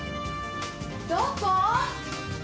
どこ？